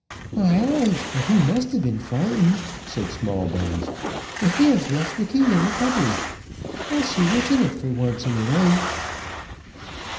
"My eyes, but he must have been frightened," said Smallbones; "for he has left the key in the cupboard. I'll see what's in it for once and away."